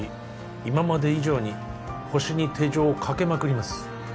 今まで以上にホシに手錠をかけまくります